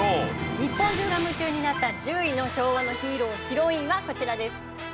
日本中が夢中になった１０位の昭和のヒーロー＆ヒロインはこちらです。